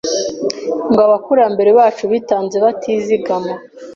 ngo abakurambere bacu bitanze batizagama”.